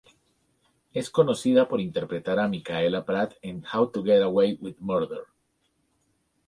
Es conocida por interpretar a Michaela Pratt en "How to Get Away with Murder".